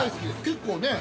◆結構、ねえ。